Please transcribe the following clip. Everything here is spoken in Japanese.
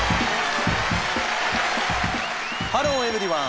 ハローエブリワン！